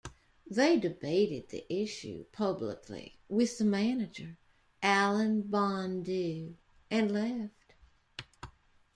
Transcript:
They debated the issue publicly with the manager, Alain Bondue, and left.